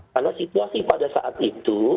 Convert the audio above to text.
karena situasi pada saat itu